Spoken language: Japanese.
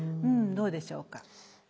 どうでしょうか。